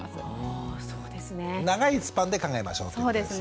あそうですね。長いスパンで考えましょうということですね。